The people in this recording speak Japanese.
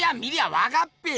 わかっぺよ！